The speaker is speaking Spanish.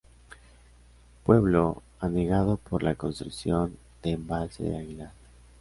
Pueblo anegado por la construcción del Embalse de Aguilar.